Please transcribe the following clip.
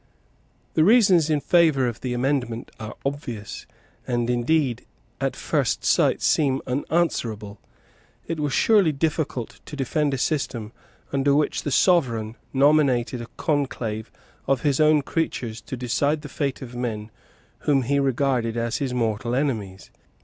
The reasons in favour of the amendment are obvious, and indeed at first sight seem unanswerable. It was surely difficult to defend a system under which the Sovereign nominated a conclave of his own creatures to decide the fate of men whom he regarded as his mortal enemies.